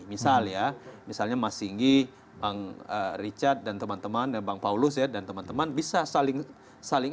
misal ya misalnya mas singgi bang richard dan teman teman bang paulus ya dan teman teman bisa saling